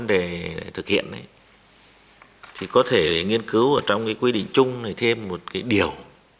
để thực hiện thì có thể nghiên cứu ở trong cái quy định chung này thêm một cái điều